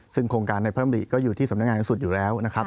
ซึ่งโครงการในพระมริก็อยู่ที่สำนักงานที่สุดอยู่แล้วนะครับ